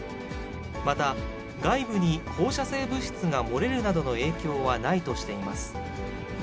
また、外部に放射性物質が漏れるなどの影響はないとしています。